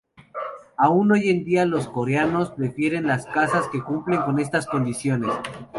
Aún hoy en día los coreanos prefieren las casas que cumplen con estas condiciones.